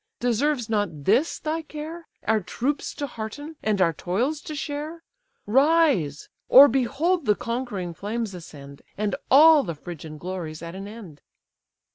deserves not this thy care, Our troops to hearten, and our toils to share? Rise, or behold the conquering flames ascend, And all the Phrygian glories at an end."